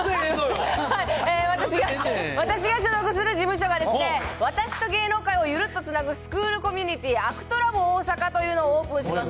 私が所属する事務所がですね、私と芸能界をゆるっとつなぐスクールコミュニティ、アクトラボオオサカというのをオープンします。